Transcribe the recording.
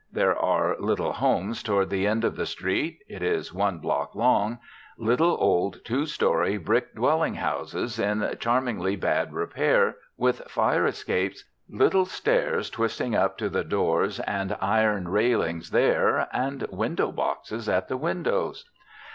There are little homes toward the end of the street it is one block long little, old, two story, brick dwelling houses, in charmingly bad repair, with fire escapes, little stairs twisting up to the doors and iron railings there, and window boxes at the windows.